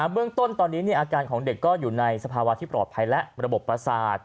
เบื้องต้นตอนนี้อาการของเด็กก็อยู่ในสภาวะที่ปลอดภัยและระบบประสาท